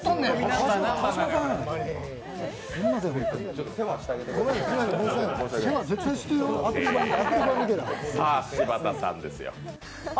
さぁ、柴田さんですよ。